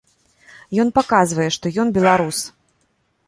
Ён паказвае, што ён беларус.